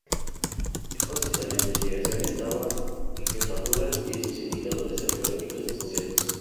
Énfasis de la investigación estaba en jefaturas y sus indicadores arqueológicos asociados.